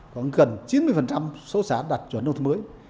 khoảng gần chín mươi số xã đạt chuẩn nông thôn mới